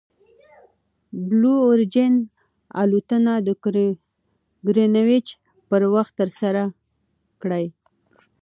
بلو اوریجن الوتنه د ګرینویچ پر وخت ترسره کړه.